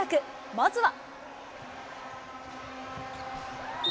まずは。